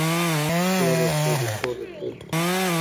کور د ســــولي کـــــور د تَُوري